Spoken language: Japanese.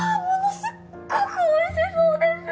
すっごくおいしそうです